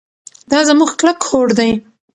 دا زموږ کلک هوډ دی.